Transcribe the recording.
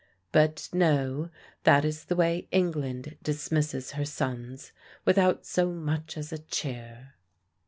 But no: that is the way England dismisses her sons, without so much as a cheer!